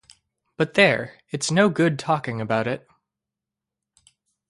But there, it’s no good talking about it.